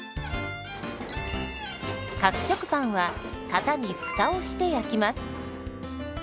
角食パンは型に「フタ」をして焼きます。